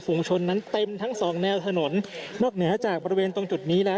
วงชนนั้นเต็มทั้งสองแนวถนนนอกเหนือจากบริเวณตรงจุดนี้แล้ว